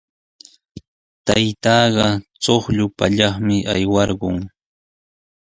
Taytaaqa chuqllu pallaqmi aywarqun.